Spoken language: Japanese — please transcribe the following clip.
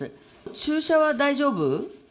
注射は大丈夫？